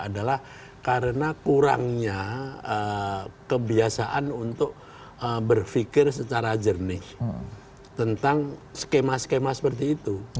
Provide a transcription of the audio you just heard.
adalah karena kurangnya kebiasaan untuk berpikir secara jernih tentang skema skema seperti itu